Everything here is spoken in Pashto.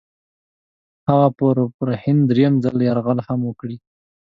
هغه به پر هند درېم ځل یرغل هم وکړي.